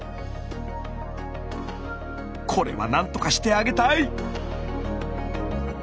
これは何とかしてあげたい！